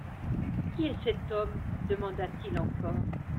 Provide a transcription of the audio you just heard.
Qui est cet homme ? demanda-t-il encore.